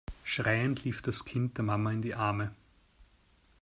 Schreiend lief das Kind der Mama in die Arme.